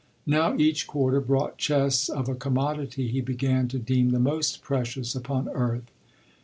Now each quarter brought chests of a commodity he began to deem the most precious upon earth.